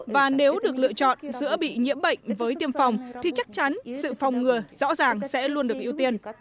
và nếu được lựa chọn giữa bị nhiễm bệnh với tiêm phòng thì chắc chắn sự phòng ngừa rõ ràng sẽ luôn được ưu tiên